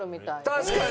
確かに。